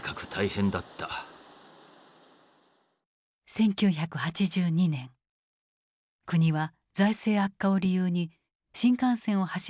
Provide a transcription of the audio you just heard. １９８２年国は財政悪化を理由に新幹線を走らせる目標を棚上げした。